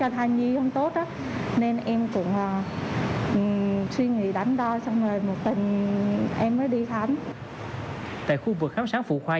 tại khu vực khám sản phụ khoai